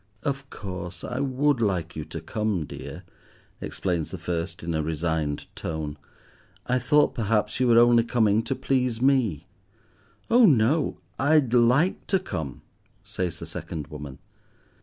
"Of course, I would like you to come, dear," explains the first in a resigned tone. "I thought perhaps you were only coming to please me." "Oh no, I'd like to come," says the second woman.